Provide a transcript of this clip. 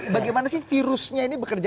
bagaimana sih virusnya ini bekerja